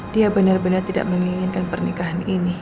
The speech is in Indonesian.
dia benar benar tidak menginginkan pernikahan ini